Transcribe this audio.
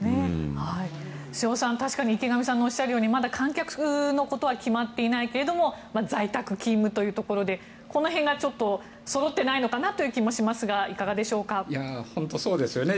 瀬尾さん、確かに池上さんのおっしゃるようにまだ観客のことは決まっていないけれども在宅勤務というところでこの辺がそろってないんじゃないかという気もしますが本当にそうですよね。